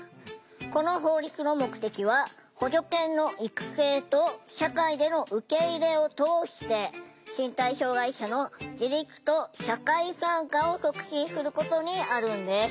この法律の目的は補助犬の育成と社会での受け入れを通して身体障害者の自立と社会参加を促進することにあるんです。